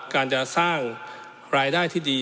การจะสร้างรายได้ที่ดี